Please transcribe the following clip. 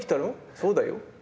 「そうだよ」。